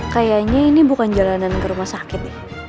kayaknya ini bukan jalanan ke rumah sakit